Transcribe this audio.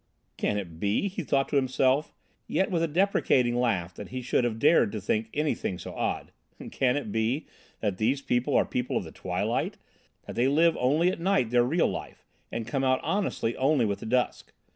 "Can it be," he thought to himself, yet with a deprecating laugh that he should have dared to think anything so odd, "can it be that these people are people of the twilight, that they live only at night their real life, and come out honestly only with the dusk?